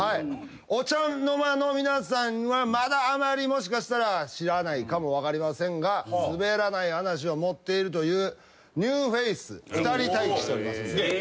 お茶の間の皆さんはまだあまりもしかしたら知らないかも分かりませんがすべらない話を持っているというニューフェイス２人待機しております。